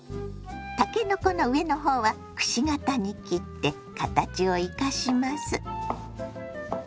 たけのこの上の方はくし形に切って形を生かします。